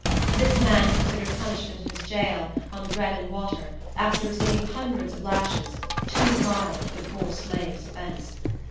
This man considered punishment in his jail, on bread and water, after receiving hundreds of lashes, too mild for the poor slave's offence.